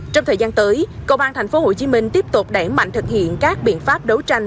trong thời gian tới công an tp hcm tiếp tục đẩy mạnh thực hiện các biện pháp đấu tranh